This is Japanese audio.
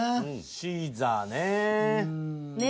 シーザーねぇ。